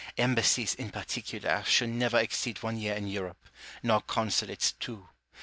Embassies in particular should never exceed one year in Europe, nor consulates two.